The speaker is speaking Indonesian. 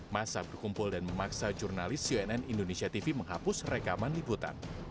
masa berkumpul dan memaksa jurnalis cnn indonesia tv menghapus rekaman liputan